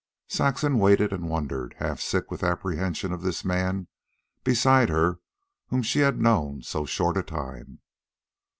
Saxon waited and wondered, half sick with apprehension of this man beside her whom she had known so short a time.